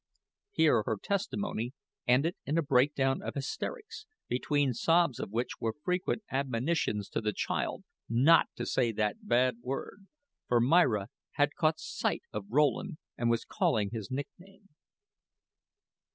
Here her testimony ended in a breakdown of hysterics, between sobs of which were frequent admonitions to the child not to say that bad word; for Myra had caught sight of Rowland and was calling his nickname.